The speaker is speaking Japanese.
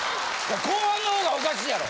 後半の方がおかしいやろ。